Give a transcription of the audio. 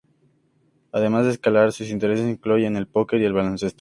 Además de escalar, sus intereses incluyen el poker y el baloncesto.